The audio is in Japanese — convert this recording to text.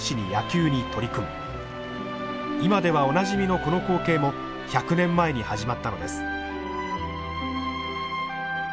今ではおなじみのこの光景も１００年前に始まったのです。